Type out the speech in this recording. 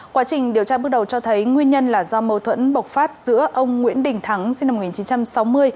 quá trình điều tra bước đầu cho thấy nguyên nhân là do mâu thuẫn bộc phát giữa ông nguyễn đình thắng sinh năm một nghìn chín trăm sáu mươi